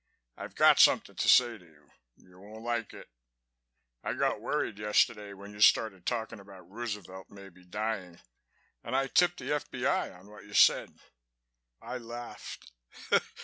I've got something to say to you. You won't like it. I got worried yesterday when you started talking about Roosevelt maybe dying and I tipped the F.B.I. on what you said." I laughed.